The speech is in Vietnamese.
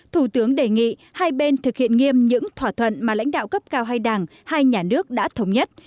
thủ tướng đề nghị hai bên thực hiện nghiêm những thỏa thuận mà lãnh đạo cấp cao hai đảng hai nhà nước đã thống nhất